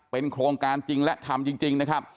เป็นโครงการจริงและทำจริงนะครับ